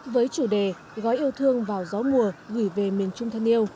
với chủ đề gói yêu thương vào gió mùa gửi về miền trung thân yêu